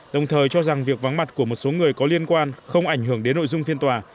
đồng thời cho rằng việc vắng mặt của một số người có liên quan không ảnh hưởng đến nội dung phiên tòa